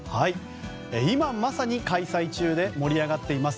今まさに開催中で盛り上がっています